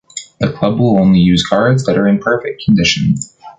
The club will only use cards that are in perfect condition.